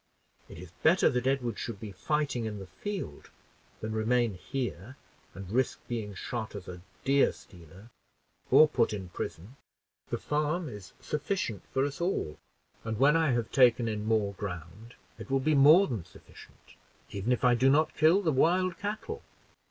It is better that Edward should be fighting in the field than remain here and risk being shot as a deer stealer, or put in prison. The farm is sufficient for us all; and when I have taken in more ground it will be much more than sufficient, even if I do not kill the wild cattle.